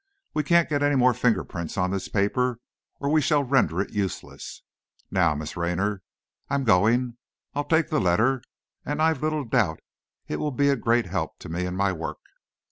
"We can't get any more finger prints on this paper, or we shall render it useless. Now, Miss Raynor, I'm going. I'll take the letter, and I've little doubt it will be a great help to me in my work.